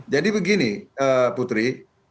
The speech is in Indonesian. jadi begini putri